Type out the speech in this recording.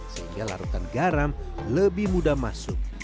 sehingga larutan garam lebih mudah masuk